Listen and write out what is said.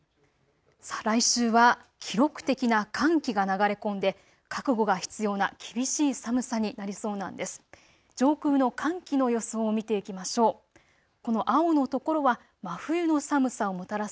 来週は記録的な寒気が流れ込んで覚悟が必要な厳しい寒さになりそうなんです。